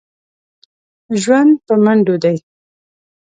ژوند په منډو دی.